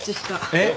えっ！？